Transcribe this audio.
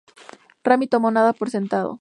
Rami tomó nada por sentado.